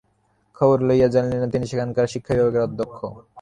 খবর লইয়া জানিলেন, তিনি সেখানকার শিক্ষাবিভাগের অধ্যক্ষ।